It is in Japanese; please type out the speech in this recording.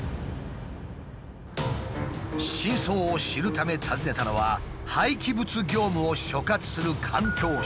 真相を知るため訪ねたのは廃棄物業務を所轄する環境省。